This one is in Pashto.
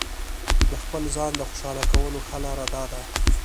د خپل ځان د خوشاله کولو ښه لاره داده.